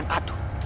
yang kalian adu